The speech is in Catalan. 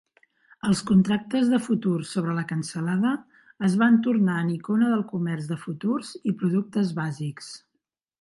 Els contractes de futur sobre la cansalada es van tornar en icona del comerç de futurs i productes bàsics.